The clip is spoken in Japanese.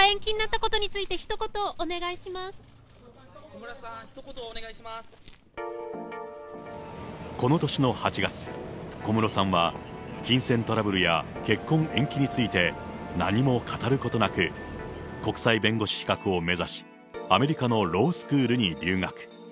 この年の８月、小室さんは金銭トラブルや結婚延期について、何も語ることなく、国際弁護士資格を目指し、アメリカのロースクールに留学。